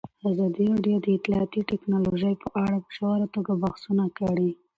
ازادي راډیو د اطلاعاتی تکنالوژي په اړه په ژوره توګه بحثونه کړي.